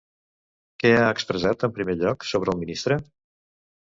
Què ha expressat, en primer lloc, sobre el ministre?